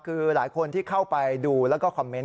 คือหลายคนที่เข้าไปดูแล้วก็คอมเมนต